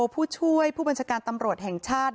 ผู้ช่วยผู้บัญชาการตำรวจแห่งชาติ